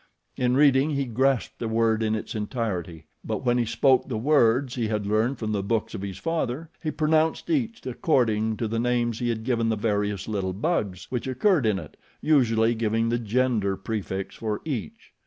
In reading he grasped a word in its entirety; but when he spoke the words he had learned from the books of his father, he pronounced each according to the names he had given the various little bugs which occurred in it, usually giving the gender prefix for each.